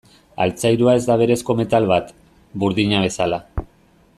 Altzairua ez da berezko metal bat, burdina bezala.